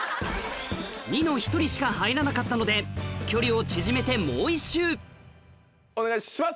ニノ１人しか入らなかったので距離を縮めてお願いします。